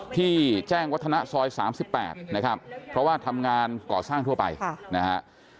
ที่แจ้งวัฒนะซอย๓๘นะครับเพราะว่าทำงานก่อสร้างทั่วไปนะฮะ